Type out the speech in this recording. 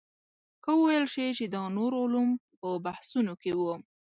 که وویل شي چې دا نور علوم په بحثونو کې وو.